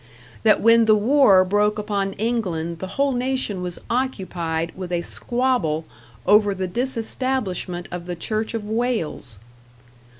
That when the war broke upon England the whole nation was occupied with a squabble over the disestablishment of the church of Wales!